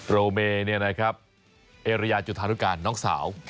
โรเมเนี่ยนะครับเอเรียจุธารุกันน้องสาว